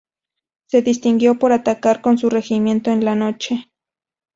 Se distinguió por atacar con su regimiento en la noche.